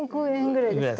ぐらいですね。